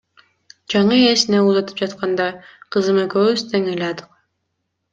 Жаңы ээсине узатып жатканда, кызым экөөбүз тең ыйладык.